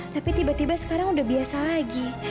tapi tiba tiba sekarang udah biasa lagi